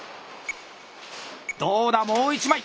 どうだもう一枚！